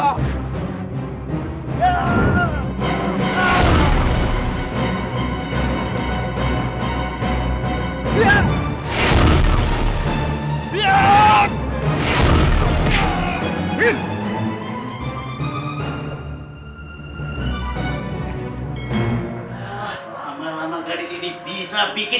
lama lama gadis ini bisa bikin jadi habis